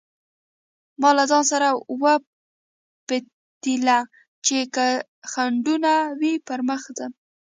ما له ځانه سره وپتېيله چې که خنډونه وي پر مخ ځم.